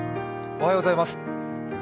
おはようございます。